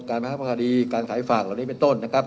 การแพร่ภาคดีการขายฝากตอนนี้เป็นต้นนะครับ